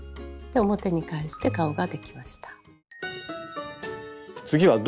で表に返して顔ができました。